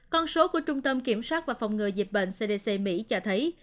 con số của trung tâm kiểm soát và phòng ngừa dịch bệnh cdc mỹ cho thấy